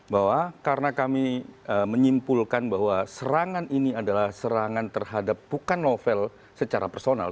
bahwa karena kami menyimpulkan bahwa serangan ini adalah serangan terhadap bukan novel secara personal